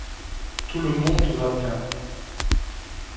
Tout le monde va bien.